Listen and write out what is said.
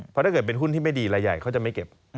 เพราะถ้าเกิดเป็นหุ้นที่ไม่ดีรายใหญ่เขาจะไม่เก็บ